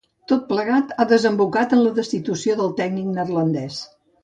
Tot plegat, ha desembocat en la destitució del tècnic neerlandès.